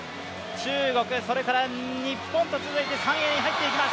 中国、日本と続いて３泳に入っていきます。